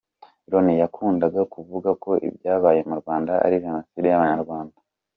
Loni yakundaga kuvuga ko ibyabaye mu Rwanda ari ‘Jenoside y’Abanyarwanda’.